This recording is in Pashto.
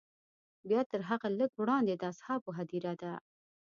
بیا تر هغه لږ وړاندې د اصحابو هدیره ده.